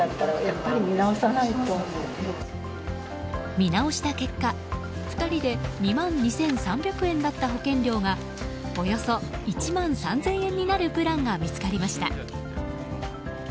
見直した結果、２人で２万２３００円だった保険料がおよそ１万３０００円になるプランが見つかりました。